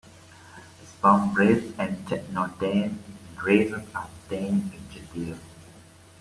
The song's riff and techno dance rhythm are then introduced.